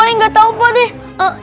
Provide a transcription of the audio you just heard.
oh gak tau pak deh